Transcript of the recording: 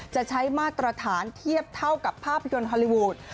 จะใช้มาตรฐานเทียบเท่ากับภาพยนตร์ฮอลลีวูด